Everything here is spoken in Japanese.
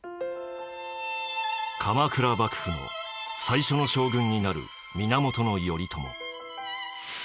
鎌倉幕府の最初の将軍になる源頼朝。